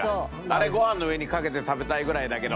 あれご飯の上にかけて食べたいぐらいだけど。